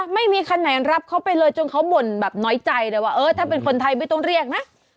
ไม่มีคันไหนรับเขาไปเลยจนเขาบ่นแบบน้อยใจเลยว่าเออถ้าเป็นคนไทยไม่ต้องเรียกนะ